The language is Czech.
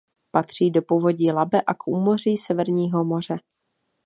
Patří do povodí Labe a k úmoří Severního moře.